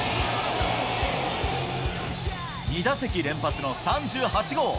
２打席連発の３８号。